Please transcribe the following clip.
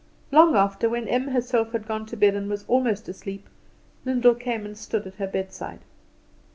Long after, when Em herself had gone to bed and was almost asleep, Lyndall came and stood at her bedside.